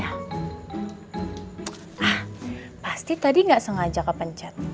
ah pasti tadi nggak sengaja kepencet